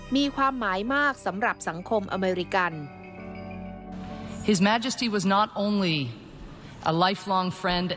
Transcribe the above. มีความหมายมากสำหรับสังคมอเมริกัน